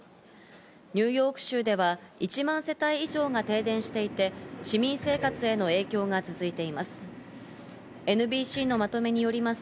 ニューヨーク州では１万世帯以上が停電していて、市民生活への影響が続いています。